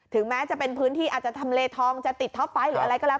แม้จะเป็นพื้นที่อาจจะทำเลทองจะติดท็อปไฟต์หรืออะไรก็แล้ว